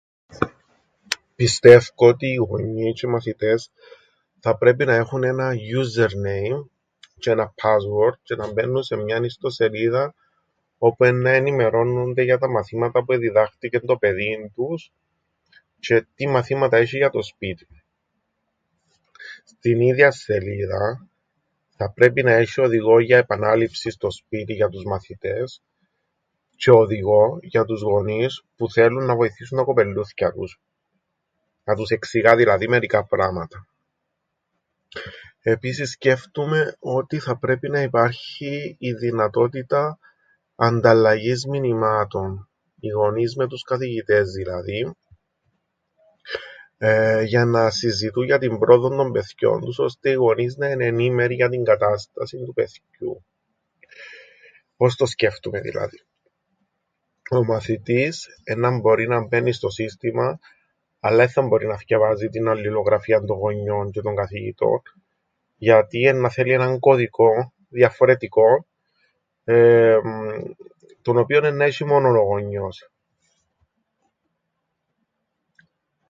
Πιστεύκω ότι οι γονιοί τζ̆αι οι μαθητές θα πρέπει να έχουν έναν username τζ̆αι ένα password τζ̆αι να μπαίννουν σε μιαν ιστοσελίδαν όπου εννά ενημερώννουνται για τα μαθήματα που εδιδάχτηκεν το παιδίν τους, τζ̆αι τι μαθήματα έσ̆ει για το σπίτιν. Στην ίδιαν σελίδαν θα πρέπει να έσ̆ιει οδηγόν για επανάληψην στο σπίτιν για τους μαθητές τζ̆αι οδηγόν για τους γονείς που θέλουν να βοηθήσουν τα κοπελλούθκια τους. Να τους εξηγά δηλαδή μερικά πράματα. Επίσης, σκέφτουμαι ότι θα πρέπει να υπάρχει η δυνατότητα ανταλλαγής μηνυμάτων οι γονείς με τους καθηγητές, δηλαδή εεε... για να συζητούν για την πρόοδο των παιθκιών τους ώστε οι γονείς να εν' ενημέροι για την κατάστασην του παιθκιού. Πώς το σκέφτουμαι δηλαδή... ο μαθητής εννά μπορεί να μπαίννει στο σύστημαν αλλά εν θα μπορεί να θκιεβάζει την αλληλογραφίαν των γονιών τζαι των καθηγητών γιατί εννά θέλει έναν κωδικόν διαφορετικόν εεμ... τον οποίον εννά έσ̆ει μόνον ο γονιός.